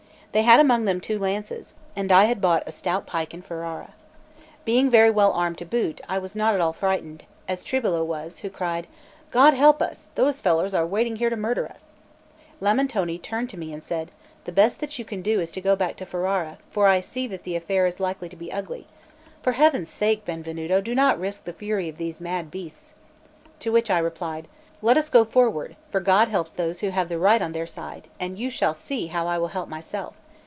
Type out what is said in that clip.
They had among them two lances, and I had bought a stout pike in Ferrara. Being very well armed to boot, I was not at all frightened, as Tribolo was, who cried: "God help us! those fellows are waiting here to murder us." Lamentone turned to me and said: "The best that you can do is to go back to Ferrara, for I see that the affair is likely to be ugly; for Heaven's sake, Benvenuto, do not risk the fury of these mad beasts." To which I replied: "Let us go forward, for God helps those who have the right on their side; and you shall see how I will help myself.